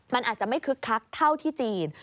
มันอาจจะไม่คึกคักเท่าที่จีน